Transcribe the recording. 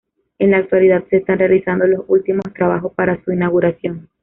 En la actualidad se están realizando los últimos trabajos para su inauguración.